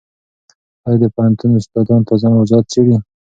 ایا د پوهنتون استادان تازه موضوعات څېړي؟